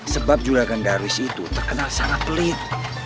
sebab juragan darwish itu terkenal sangat pelit